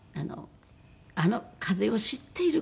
「あの風を知っている声だね」